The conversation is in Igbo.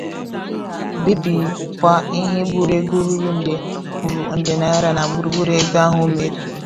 bibikwa ihe gburu ego ruru nde kwuru nde naịra na gburugburu ebe ahụ o mere.